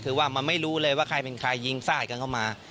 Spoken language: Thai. คือว่ามันไม่รู้เลยว่าใครเป็นใครยิงฟาดกันเข้ามา